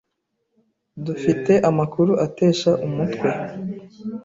Dufite amakuru atesha umutwe.